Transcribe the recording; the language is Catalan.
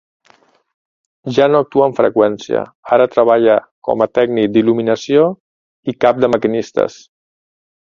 Ja no actua amb freqüència, ara treballa com a tècnic d'il.luminació i cap de maquinistes.